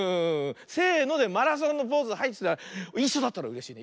せので「マラソンのポーズはい」っていっしょだったらうれしいね。